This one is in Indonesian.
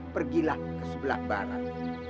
pergilah ke sebelah barat